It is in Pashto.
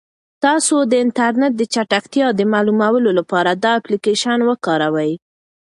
تاسو د انټرنیټ د چټکتیا د معلومولو لپاره دا اپلیکیشن وکاروئ.